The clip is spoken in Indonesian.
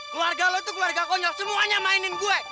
keluarga lu tuh keluarga konyol semuanya mainin gua